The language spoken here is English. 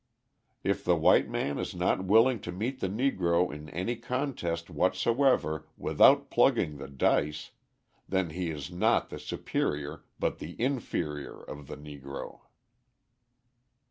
If the white man is not willing to meet the Negro in any contest whatsoever without plugging the dice, then he is not the superior but the inferior of the Negro.